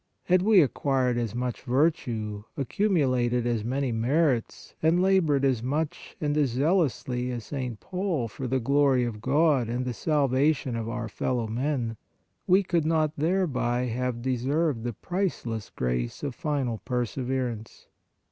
Had we acquired as much virtue, accumulated as many merits and labored as much and as zealously as St. Paul for the glory of God and the salvation of our fellow men, we could not thereby have deserved the priceless grace of final perseverance.